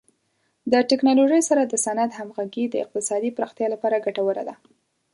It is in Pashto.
د ټکنالوژۍ سره د صنعت همغږي د اقتصادي پراختیا لپاره ګټوره ده.